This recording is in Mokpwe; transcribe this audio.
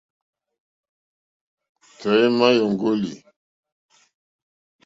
Tɔ̀ímá !yóŋɡólì.